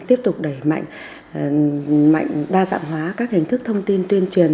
tiếp tục đẩy mạnh đa dạng hóa các hình thức thông tin tuyên truyền